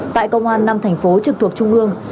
tại công an năm thành phố trực thuộc trung ương